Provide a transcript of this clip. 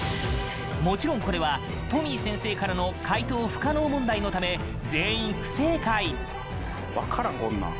もちろんこれはトミー先生からの解答不可能問題のため全員不正解！